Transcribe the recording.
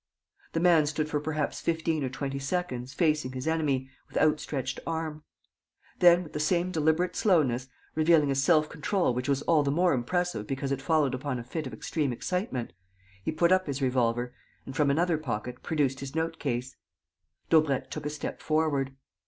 The man stood for perhaps fifteen or twenty seconds, facing his enemy, with outstretched arm. Then, with the same deliberate slowness, revealing a self control which was all the more impressive because it followed upon a fit of extreme excitement, he put up his revolver and, from another pocket, produced his note case. Daubrecq took a step forward.